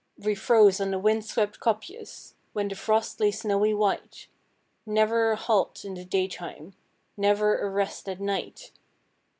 'We froze on the wind swept kopjes When the frost lay snowy white. Never a halt in the daytime, Never a rest at night!